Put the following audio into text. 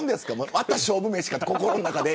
また勝負飯か、と心の中で。